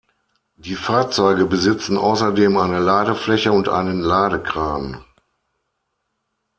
Die Fahrzeuge besitzen außerdem eine Ladefläche und einen Ladekran.